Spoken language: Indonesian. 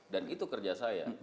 dan itu kerja saya